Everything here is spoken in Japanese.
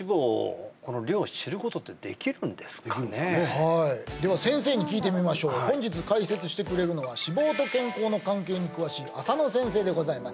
はいでは先生に聞いてみましょう本日解説してくれるのは脂肪と健康の関係に詳しい浅野先生でございます